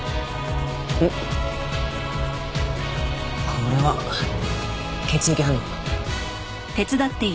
これは血液反応。